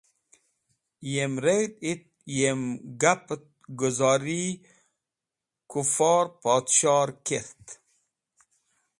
Yem reg̃hdi et yem gap et guzori Kufor Podshoher k̃hat.